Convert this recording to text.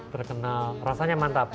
terkenal rasanya mantap